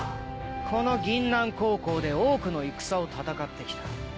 この銀杏高校で多くの戦を戦って来た。